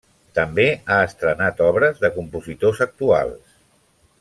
També ha estrenat obres de compositors actuals.